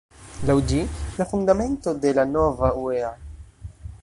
Laŭ ĝi, la fundamento de la nova uea.